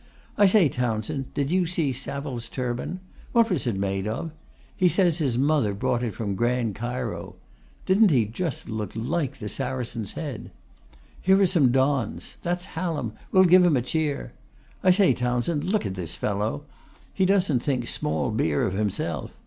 I say, Townshend, did you see Saville's turban? What was it made of? He says his mother brought it from Grand Cairo. Didn't he just look like the Saracen's Head? Here are some Dons. That's Hallam! We'll give him a cheer. I say, Townshend, look at this fellow. He doesn't think small beer of himself.